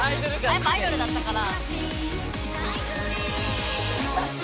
「やっぱアイドルだったから」